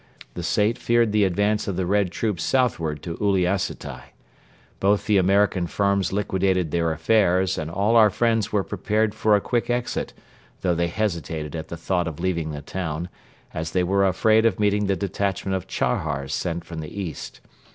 The Sait feared the advance of the Red troops southward to Uliassutai. Both the American firms liquidated their affairs and all our friends were prepared for a quick exit, though they hesitated at the thought of leaving the town, as they were afraid of meeting the detachment of Chahars sent from the east.